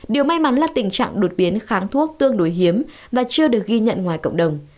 điều may mắn là tình trạng đột biến kháng thuốc tương đối hiếm và chưa được ghi nhận ngoài cộng đồng